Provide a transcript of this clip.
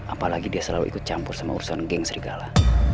apalagi dia selalu ikut campur sama urusan geng serigala